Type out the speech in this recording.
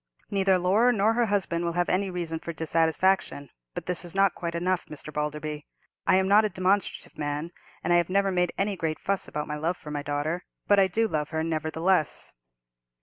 Neither Laura nor her husband will have any reason for dissatisfaction. But this is not quite enough, Mr. Balderby. I am not a demonstrative man, and I have never made any great fuss about my love for my daughter; but I do love her, nevertheless."